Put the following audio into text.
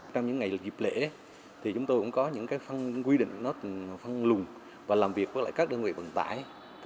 trong những ngày dịp lễ thì chúng tôi cũng có những quy định phân lùng và làm việc với các đơn vị vận tải